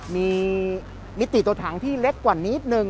มีมิติตัวถังที่เล็กกว่านิดนึง